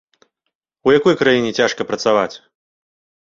У якой краіне цяжка працаваць?